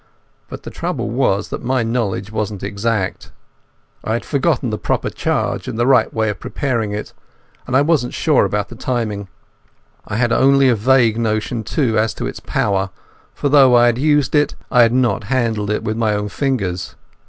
But the trouble was that my knowledge wasn't exact. I had forgotten the proper charge and the right way of preparing it, and I wasn't sure about the timing. I had only a vague notion, too, as to its power, for though I had used it I had not handled it with my own fingers.